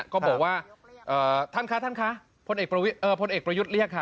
ก็บอกว่าท่านคะท่านคะพลเอกประยุทธ์เรียกค่ะ